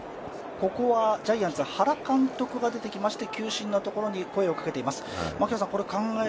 ジャイアンツ・原監督が出てきまして球審に声をかけています。